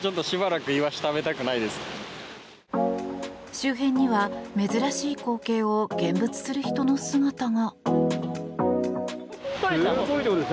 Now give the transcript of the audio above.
周辺には珍しい光景を見物する人の姿が。